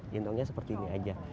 gendongnya seperti ini aja